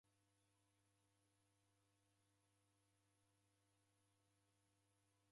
Kwazoya ngelo yefunga?